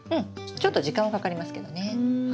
ちょっと時間はかかりますけどね。